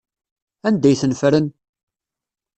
Anda ay ten-ffren?